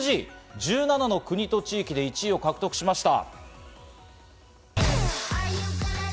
１７の国と地域で１位を獲得しました。